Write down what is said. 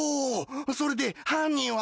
それで犯人は？